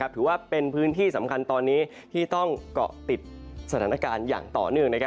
ถือว่าเป็นพื้นที่สำคัญตอนนี้ที่ต้องเกาะติดสถานการณ์อย่างต่อเนื่อง